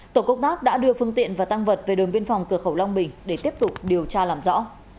tổ công tác đã đưa phương tiện và tăng vật về đồn biên phòng cửa khẩu long bình để tiếp tục điều tra làm rõ